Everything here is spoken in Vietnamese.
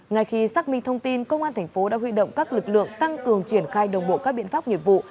ngay khi xác minh thông tin công an thành phố đã huy động các lực lượng tăng cường triển khai đồng bộ các biện pháp nghiệp vụ